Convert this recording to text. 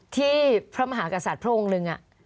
ที่พระมหากษัตริย์พระองค์หนึ่ง